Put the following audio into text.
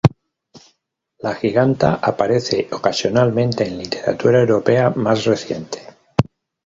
La giganta aparece ocasionalmente en literatura europea más reciente.